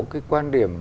cái quan điểm